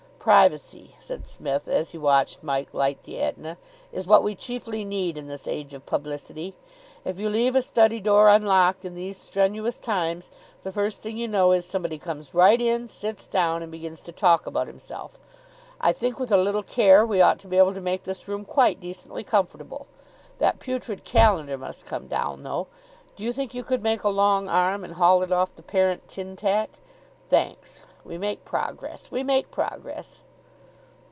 "Privacy," said Psmith, as he watched Mike light the Etna, "is what we chiefly need in this age of publicity. If you leave a study door unlocked in these strenuous times, the first thing you know is, somebody comes right in, sits down, and begins to talk about himself. I think with a little care we ought to be able to make this room quite decently comfortable. That putrid calendar must come down, though. Do you think you could make a long arm, and haul it off the parent tin tack? Thanks. We make progress. We make progress."